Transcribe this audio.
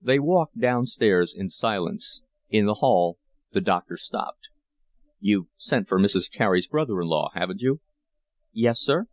They walked downstairs in silence. In the hall the doctor stopped. "You've sent for Mrs. Carey's brother in law, haven't you?" "Yes, sir."